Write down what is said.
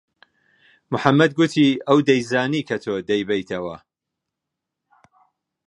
محەممەد گوتی ئەو دەیزانی کە تۆ دەیبەیتەوە.